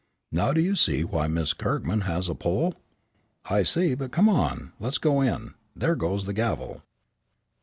Now do you see why Miss Kirkman has a pull?" "I see, but come on, let's go in; there goes the gavel."